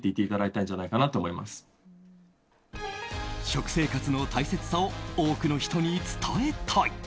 食生活の大切さを多くの人に伝えたい。